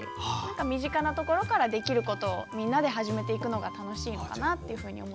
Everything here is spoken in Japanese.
身近なところからできることをみんなで始めていくのが楽しいのかなと思っていますね。